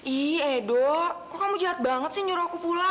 i edo kok kamu jahat banget sih nyuruh aku pula